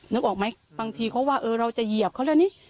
นึกออกไหมบางทีเขาว่าเออเราจะเหยียบเขาแล้วนี่